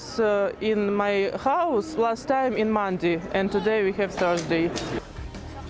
saya di rumah saya di minggu lalu dan hari ini kita memiliki hari tujuh